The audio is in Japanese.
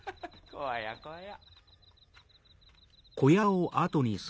怖や怖や・